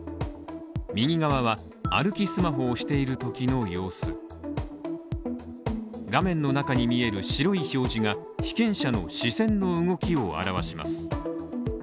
右側は、歩きスマホをしているときの様子画面の中に見える白い表示が被験者の視線の動きを表します。